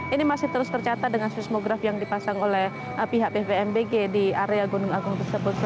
ini masih terus tercatat dengan seismograf yang dipasang oleh pihak pvmbg di area gunung agung tersebut